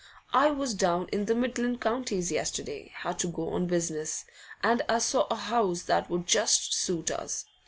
I was down in the Midland Counties yesterday; had to go on business; and I saw a house that would just suit us.